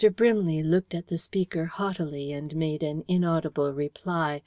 Brimley looked at the speaker haughtily, and made an inaudible reply.